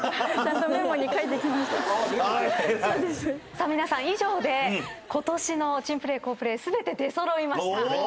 さあ皆さん以上でことしの珍プレー好プレー全て出揃いました。